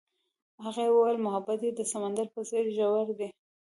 هغې وویل محبت یې د سمندر په څېر ژور دی.